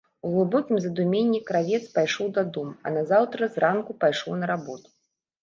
У глыбокім задуменні кравец пайшоў дадому, а назаўтра зранку пайшоў на работу.